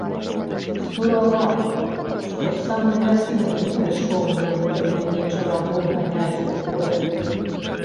Здураваў, што з самай вясны не пайшоў ён у мяне чараду ганяць у поле.